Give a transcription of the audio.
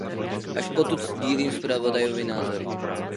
Až potud sdílím zpravodajovy názory.